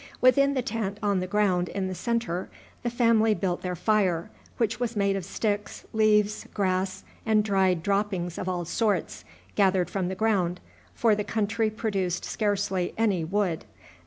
Within the tent, on the ground in the centre, the family built their fire, which was made of sticks, leaves, grass, and dried droppings of all sorts, gathered from the ground, for the country produced scarcely any wood.